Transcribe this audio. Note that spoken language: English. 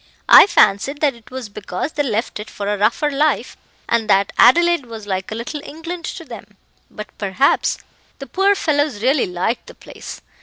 I fancied that it was because they left it for a rougher life, and that Adelaide was like a little England to them; but, perhaps, the poor fellows really liked the place.